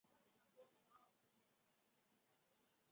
佩盖罗勒德莱斯卡莱特。